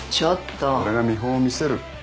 俺が見本を見せる。